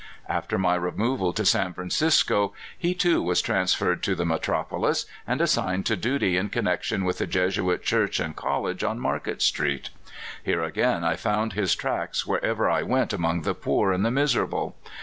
After m}' removal ^o San Francisco, he too was transferred to the metropolis, and assigned to duty in connection with the Jesuit church and col lege, on Market Street. Here again I found his tracks wherever I went among the poor and the miserable.